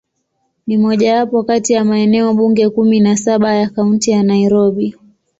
Ni mojawapo kati ya maeneo bunge kumi na saba ya Kaunti ya Nairobi.